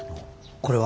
これは？